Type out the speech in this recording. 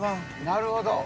なるほど。